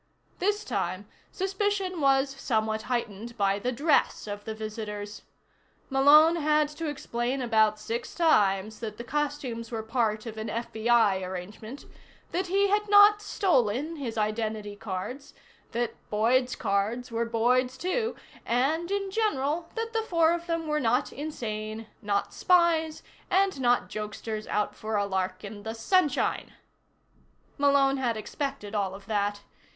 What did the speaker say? This time, suspicion was somewhat heightened by the dress of the visitors. Malone had to explain about six times that the costumes were part of an FBI arrangement, that he had not stolen his identity cards, that Boyd's cards were Boyd's, too, and in general that the four of them were not insane, not spies, and not jokesters out for a lark in the sunshine. Malone had expected all of that.